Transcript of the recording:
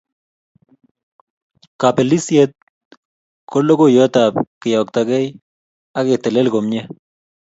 Kapelisiet ko logoiyatap keyoktogei ak ketelel komie